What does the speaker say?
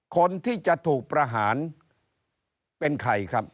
คนที่จะถูกประหารเป็นใครครับ